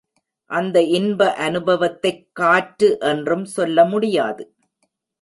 அந்த இன்ப அநுபவத்தைக் காற்று என்றும் சொல்ல முடியாது.